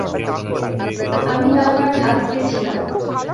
আমি তাঁহার ধাত্রী ছিলাম।